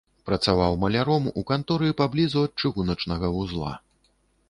Працаваў маляром у канторы паблізу ад чыгуначнага вузла.